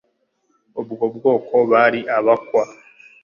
ubwo bwoko bari abakwa.